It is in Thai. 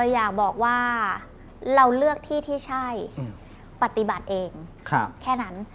อยากบอกว่าเราเลือกที่ที่ใช่ปฏิบัติเองแค่นั้น